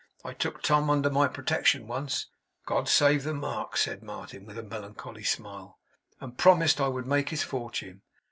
I took Tom under my protection once, God save the mark!' said Martin, with a melancholy smile; 'and promised I would make his fortune.